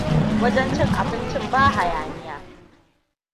Wajen cin abincin ba hayaniya.